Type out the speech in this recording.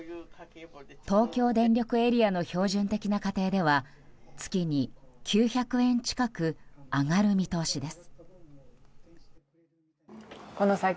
東京電力エリアの標準的な家庭では月に９００円近く上がる見通しです。